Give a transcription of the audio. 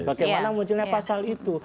bagaimana mungkinnya pasal itu